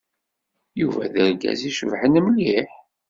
Yuba d argaz icebḥen mliḥ.